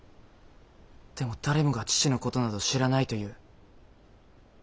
でも誰もが父のことなど知らないと言う。